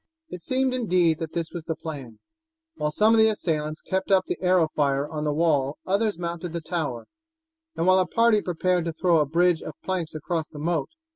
It seemed, indeed, that this was the plan. While some of the assailants kept up the arrow fire on the wall others mounted the tower, while a party prepared to throw a bridge of planks across the moat.